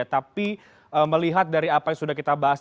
tapi melihat dari apa yang sudah kita bahas